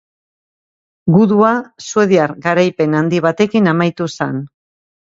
Gudua suediar garaipen handi batekin amaitu zen.